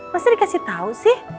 masih dikasih tau sih